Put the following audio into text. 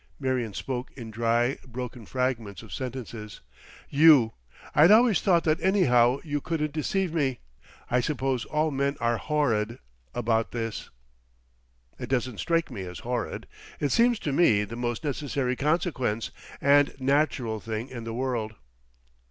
Marion spoke in dry, broken fragments of sentences. "You... I'd always thought that anyhow you couldn't deceive me... I suppose all men are horrid—about this." "It doesn't strike me as horrid. It seems to me the most necessary consequence—and natural thing in the world."